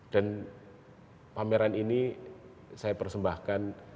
dan pameran ini saya persembahkan